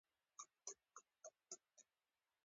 ازادي راډیو د اقلیم په اړه د مسؤلینو نظرونه اخیستي.